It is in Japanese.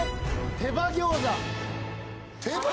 手羽餃子！？